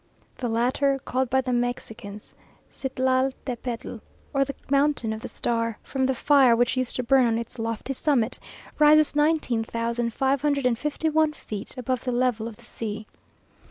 The latter, called by the Mexicans, Citlal Tepetl, or the mountain of the star, from the fire which used to burn on its lofty summit, rises nineteen thousand five hundred and fifty one feet above the level of the sea.